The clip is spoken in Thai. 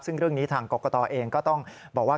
ซึ่งเรื่องนี้ทางกรกตเองก็ต้องบอกว่า